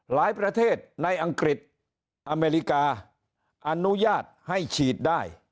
ประเทศในอังกฤษอเมริกาอนุญาตให้ฉีดได้